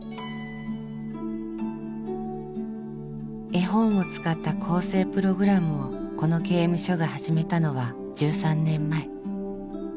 絵本を使った更生プログラムをこの刑務所が始めたのは１３年前。